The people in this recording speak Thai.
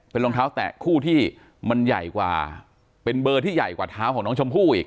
เป็นรองเท้าแตะคู่ที่มันใหญ่กว่าเป็นเบอร์ที่ใหญ่กว่าเท้าของน้องชมพู่อีก